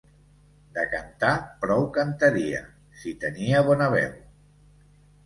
De cantar prou cantaria, si tenia bona veu.